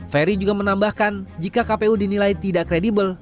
ferry juga menambahkan jika kpu dinilai tidak kredibel